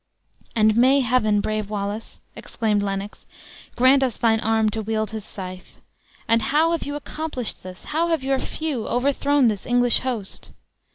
"And may Heaven, brave Wallace!" exclaimed Lennox, "grant us thine arm to wield its scythe! But how have you accomplished this? How have your few overthrown this English host?"